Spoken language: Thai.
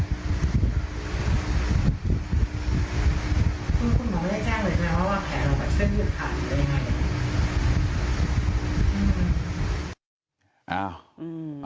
คุณหมอไม่ได้แจ้งเลยไหมว่าแผลลงกับเส้นยืดขาดอยู่ได้ไง